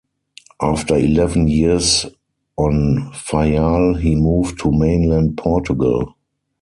After eleven years on Faial, he moved to mainland Portugal.